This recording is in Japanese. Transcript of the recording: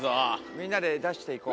みんなで出していこう。